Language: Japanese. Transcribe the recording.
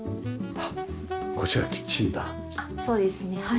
あっそうですねはい。